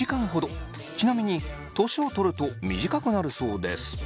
ちなみに年を取ると短くなるそうです。